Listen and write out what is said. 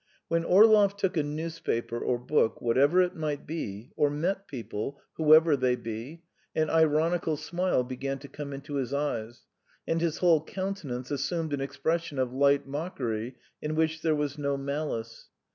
When Orlov took a newspaper or book, whatever it might be, or met people, whoever they be, an ironical smile began to come into his eyes, and his whole countenance assumed an expression of light mockery in which there was no malice.